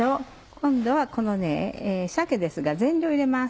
今度はこの鮭ですが全量入れます。